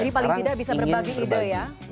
jadi paling tidak bisa berbagi ide ya